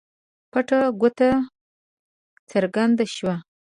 پټه ګوته څرګنده شوه.